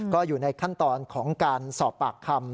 ก็อยู่ในขั้นตอนของการสอบปากคำ